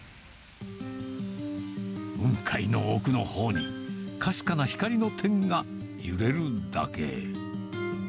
雲海の奥のほうに、かすかな光の点が揺れるだけ。